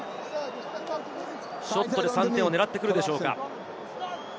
ショットで３点を狙ってくるでしょうか。